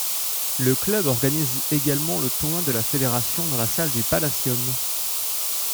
Le club organise également le Tournoi de la Fédération dans sa salle du Palacium.